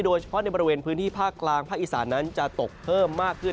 โดยเฉพาะในบริเวณพื้นที่ภาคกลางภาคอีสานนั้นจะตกเพิ่มมากขึ้น